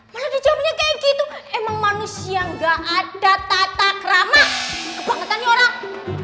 malah dijawabnya kayak gitu emang manusia gak ada tata kerama kebangetan nih orang